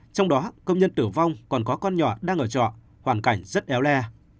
trong đó công nhân tử vong còn có con nhỏ đang ở trọ hoàn cảnh rất éo le